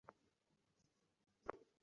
এ আশা কিছুতেই সে মন হইতে দমন করিতে পারিত না।